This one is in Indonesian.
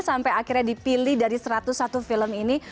sampai akhirnya dipilih dari satu ratus satu film ini